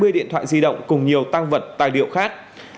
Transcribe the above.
hai mươi điện thoại di động cùng nhiều tăng vật tài liệu khác